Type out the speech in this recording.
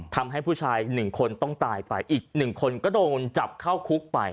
ทำให้ผู้ชาย๑คนต้องตายไปอีก๑คนก็โดนจับเข้าคุกไป